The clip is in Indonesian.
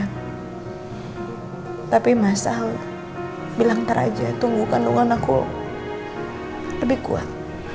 hai tapi masa lo bilang ntar aja tunggu kandungan aku lebih kuat